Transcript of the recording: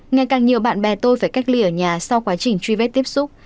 ngày càng nhiều bạn bè tôi phải cách ly ở nhà sau quá trình truy vết tiếp xúc